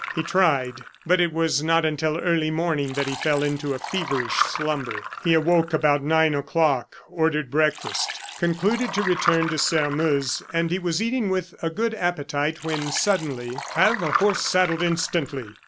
He tried; but it was not until early morning that he fell into a feverish slumber. He awoke about nine o'clock, ordered breakfast, concluded to return to Sairmeuse, and he was eating with a good appetite, when suddenly: "Have a horse saddled instantly!"